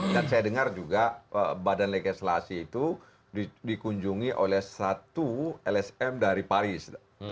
dan saya dengar juga badan legislasi itu dikunjungi oleh satu lsm dari paris